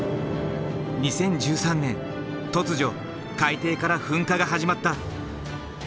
２０１３年突如海底から噴火が始まった。